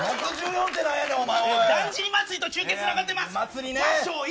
だんじり祭とつながってます。